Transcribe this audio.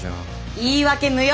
言い訳無用！